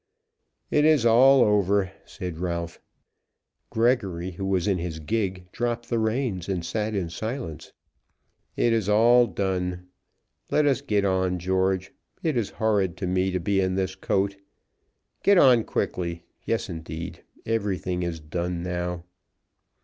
"It is all over!" said Ralph. Gregory, who was in his gig, dropped the reins and sat in silence. "It is all done. Let us get on, George. It is horrid to me to be in this coat. Get on quickly. Yes, indeed; everything is done now."